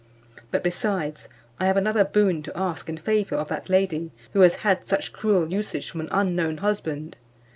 But besides, I have another boon to ask in favour of that lady, who has had such cruel usage from an unknown husband.